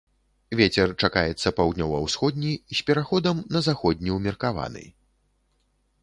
Вецер чакаецца паўднёва-ўсходні з пераходам на заходні ўмеркаваны.